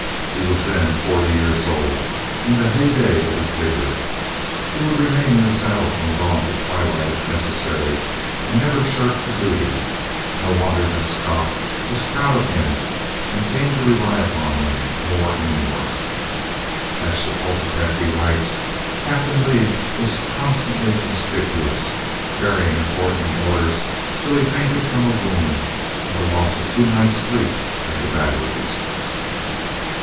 He was then forty years old, in the hey dey of his vigor. He would remain in the saddle from dawn to twilight, if necessary, and never shirked a duty. No wonder that Scott was proud of him and came to rely upon him more and more. "At Chapultepec," he writes, "Captain Lee was constantly conspicuous, bearing important orders till he fainted from a wound and the loss of two nights' sleep at the batteries."